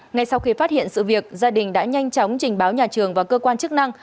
ngay sau khi phát hiện sự việc gia đình đã nhanh chóng trình báo nhà trường và cơ quan chức năng